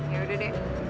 ya udah deh aku mau pergi